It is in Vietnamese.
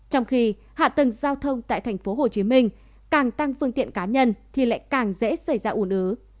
trong khi hạ tầng giao thông tại tp hcm càng tăng phương tiện cá nhân thì lại càng dễ xảy ra ủ nứ